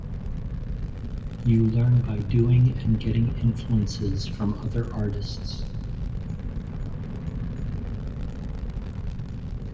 You learn by doing and getting influences from other artists.